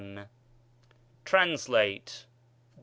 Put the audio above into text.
TRANSLATE 1.